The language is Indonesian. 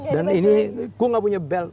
dan ini gua gak punya belt